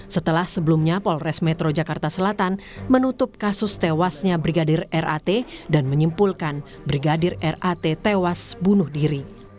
setelah sebelumnya polres metro jakarta selatan menutup kasus tewasnya brigadir rat dan menyimpulkan brigadir rat tewas bunuh diri